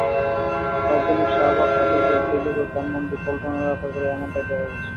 রাজধানীর শাহবাগ, হাতিরপুল, বেইলি রোড, ধানমন্ডি, পল্টন এলাকা ঘুরে এমনটাই দেখা গেছে।